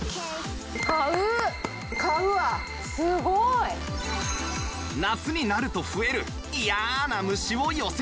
すごい！夏になると増える嫌な虫を寄せつけない！